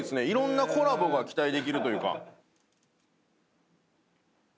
いろんなコラボが期待できるというか。